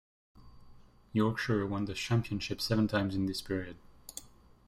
Yorkshire won the Championship seven times in this period.